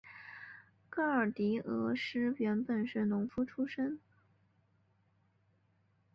戈耳狄俄斯原本是农夫出身。